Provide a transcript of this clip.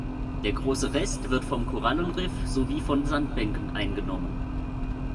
Der große Rest wird vom Korallenriff sowie von Sandbänken eingenommen.